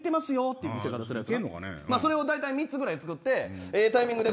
見せ方すればそれをお互い３つぐらい作ってタイミングで。